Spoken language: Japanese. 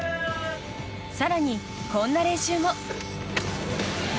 更に、こんな練習も。